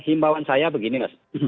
imbauan saya begini mas